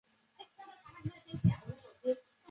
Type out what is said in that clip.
道光二十年十一月初十丙寅逝世。